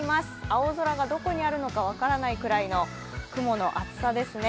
青空がどこにあるのか分からないくらいの雲の厚さですね。